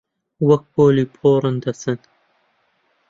وەک پۆلی پۆڕان دەچن